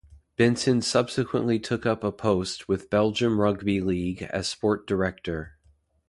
Benson subsequently took up a post with Belgium Rugby League as Sport Director.